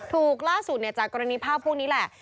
ถูกล่าสุดจากกรณีภาพพรุ่งนี้แหละ